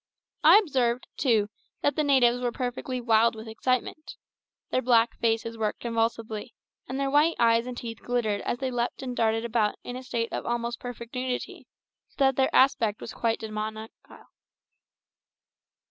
I observed, too, that the natives were perfectly wild with excitement. Their black faces worked convulsively, and their white eyes and teeth glittered as they leaped and darted about in a state of almost perfect nudity, so that their aspect was quite demoniacal.